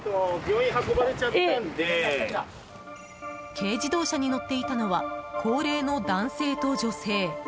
軽自動車に乗っていたのは高齢の男性と女性。